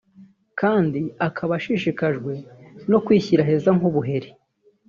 kandi akaba ashishikajwe no kwishyira heza nk’ubuheri